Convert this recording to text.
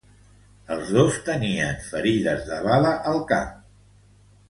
Els dos tenien ferides de bala al cap.